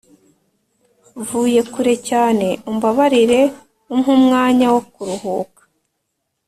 Vuye kure cyane umbabarire umpe umwanya wokuruhuka